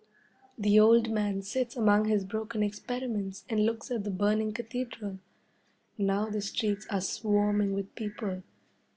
The old man sits among his broken experiments and looks at the burning Cathedral. Now the streets are swarming with people.